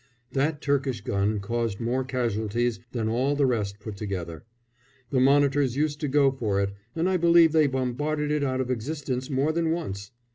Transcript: That Turkish gun caused more casualties than all the rest put together. The monitors used to go for it, and I believe they bombarded it out of existence more than once.